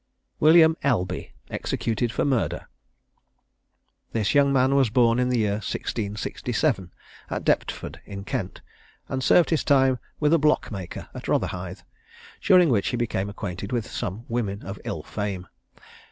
WILLIAM ELBY. EXECUTED FOR MURDER. This young man was born in the year 1667, at Deptford, in Kent, and served his time with a blockmaker at Rotherhithe, during which he became acquainted with some women of ill fame.